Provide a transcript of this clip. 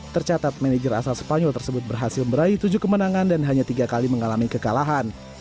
tercatat manager asal spanyol tersebut berhasil meraih tujuh kemenangan dan hanya tiga kali mengalami kekalahan